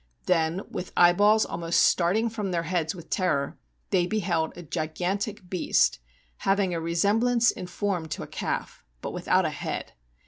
Then, with eyeballs almost starting from their heads with terror, they beheld a gigantic beast, having a resemblance in form to a calf, but without a head.